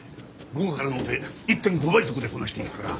午後からのオペ１．５倍速でこなして行くから。